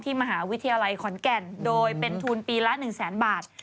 มหาวิทยาลัยขอนแก่นโดยเป็นทุนปีละ๑แสนบาท